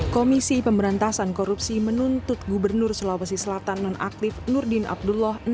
komisi pemberantasan korupsi menuntut gubernur sulawesi selatan nonaktif nurdin abdullah